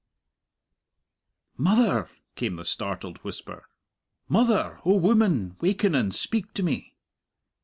"Mother!" came the startled whisper, "mother! O woman, waken and speak to me!"